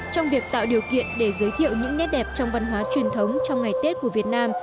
trong việc tạo điều kiện để giới thiệu những nét đẹp trong văn hóa truyền thống trong ngày tết của việt nam